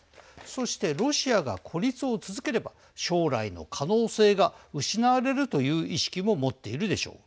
そして、ロシアが孤立を続ければ将来の可能性が失われるという意識も持っているでしょう。